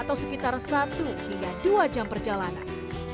atau sekitar satu hingga dua jam perjalanan